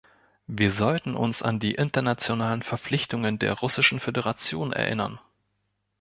Wir sollten uns an die internationalen Verpflichtungen der Russischen Föderation erinnern.